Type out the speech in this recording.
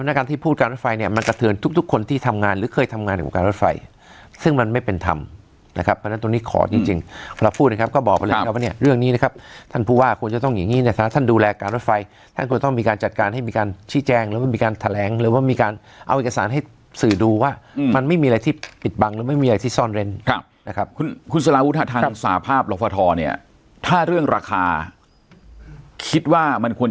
ดังนั้นการที่พูดการรถไฟเนี้ยมันกระเถินทุกทุกคนที่ทำงานหรือเคยทำงานในของการรถไฟซึ่งมันไม่เป็นธรรมนะครับเพราะฉะนั้นตรงนี้ขอจริงจริงเวลาพูดนะครับก็บอกเลยนะครับว่าเนี้ยเรื่องนี้นะครับท่านพูดว่าควรจะต้องอย่างงี้นะฮะท่านดูแลการรถไฟท่านควรต้องมีการจัดการให้มีการชี้แจ้งแล้วก